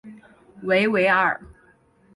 维维尔。